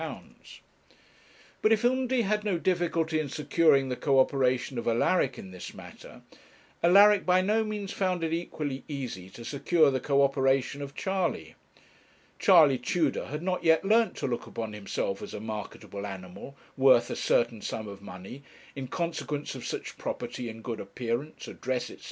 But if Undy had no difficulty in securing the co operation of Alaric in this matter, Alaric by no means found it equally easy to secure the co operation of Charley. Charley Tudor had not yet learnt to look upon himself as a marketable animal, worth a certain sum of money, in consequence of such property in good appearance, address, &c.